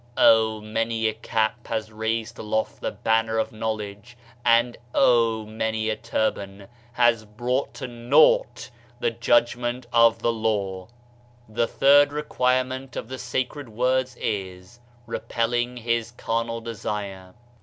Oh I many a cap has raised aloft the banner of knowledge; and oh I many a turban has brought to naught the judg ment of the law I The third requirement of the sacred words is: "Repelling his carnal desire."